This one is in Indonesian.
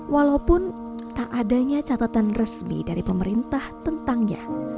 walaupun tak adanya catatan resmi dari pemerintah tentangnya